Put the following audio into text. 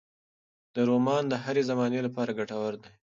دا رومان د هرې زمانې لپاره ګټور دی.